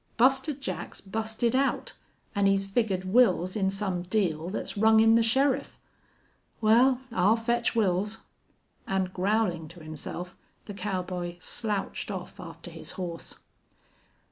"Buster Jack's busted out, an' he's figgered Wils in some deal thet's rung in the sheriff. Wal, I'll fetch Wils." And, growling to himself, the cowboy slouched off after his horse.